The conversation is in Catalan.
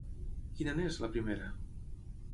Quina n'és, la primera?